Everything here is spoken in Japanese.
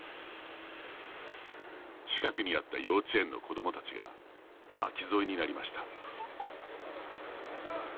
近くにあった幼稚園の子どもたちが巻き添えになりました。